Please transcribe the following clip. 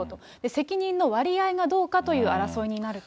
責任の割合がどうかという争いになると。